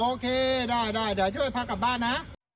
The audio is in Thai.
โอเคได้เดี๋ยวช่วยพากลับบ้านนะ